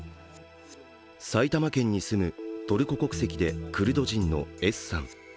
埼玉県に住むトルコ国籍でクルド人のＳさん。